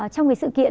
trong cái sự kiện